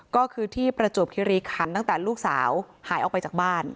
ก็คือที่ประจวบคิริคันตั้งแต่ลูกสาวหายออกไปจากบ้าน